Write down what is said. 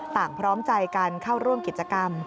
ต่างพร้อมใจการเข้าร่วมกิจกรรม